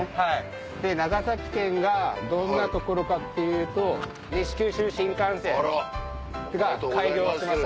長崎県がどんな所かっていうと西九州新幹線が開業しました。